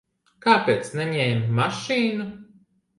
Kāpēc neņēma mašīnu?